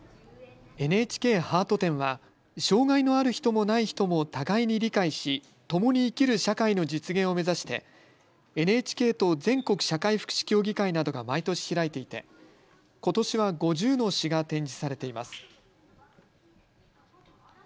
ＮＨＫハート展は障害のある人もない人も互いに理解し、ともに生きる社会の実現を目指してＮＨＫと全国社会福祉協議会などが毎年開いていてことしは５０の詩が展示されています。